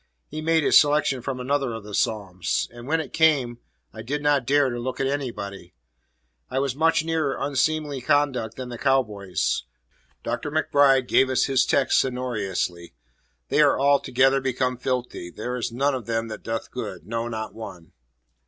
He made his selection from another of the Psalms; and when it came, I did not dare to look at anybody; I was much nearer unseemly conduct than the cow boys. Dr. MacBride gave us his text sonorously, "'They are altogether become filthy; There is none of them that doeth good, no, not one.'"